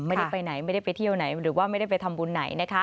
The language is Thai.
ไม่ได้ไปไหนไม่ได้ไปเที่ยวไหนหรือว่าไม่ได้ไปทำบุญไหนนะคะ